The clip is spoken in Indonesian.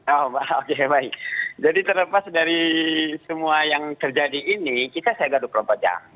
oh oke baik jadi terlepas dari semua yang terjadi ini kita siaga dua puluh empat jam